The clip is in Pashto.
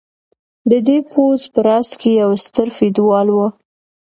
د دې پوځ په راس کې یو ستر فیوډال و.